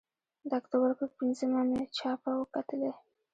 د اکتوبر پر پینځمه مې چاپه وکتلې.